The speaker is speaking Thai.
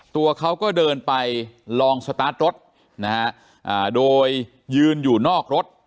ตัวเขาก็เดินไปลองสตาร์ทรถนะฮะโดยยืนอยู่นอกรถ